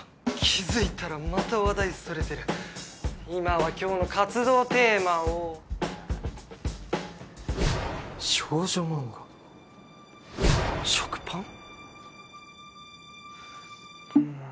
気づいたらまた話題それてる今は今日の活動テーマを少女漫画食パン？